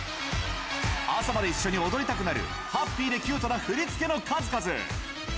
朝まで一緒に踊りたくなる、ハッピーでキュートな振り付けの数々。